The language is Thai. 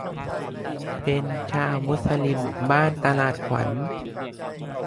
เป็นชาวมุลิมบ้านตลาดขวัญ